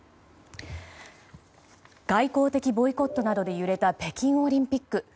外交的ボイコットなどで揺れた北京オリンピック。